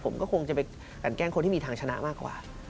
ผมก็คงจะไปกันแกล้งคนที่มีทางชนะมากกว่า